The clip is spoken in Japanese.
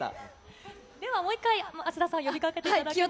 ではもう一回、芦田さん呼びかけていただけますか。